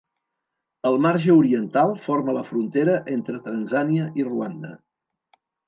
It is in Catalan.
El marge oriental forma la frontera entre Tanzània i Ruanda.